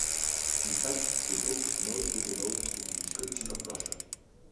In fact, the book is mostly devoted to the description of Russia.